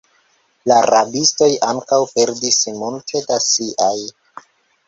La rabistoj ankaŭ perdis multe da siaj.